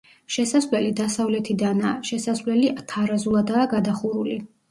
შესასვლელი დასავლეთიდანაა, შესასვლელი თარაზულადაა გადახურული.